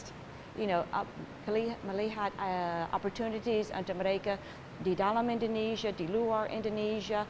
mereka memiliki peluang di indonesia di luar indonesia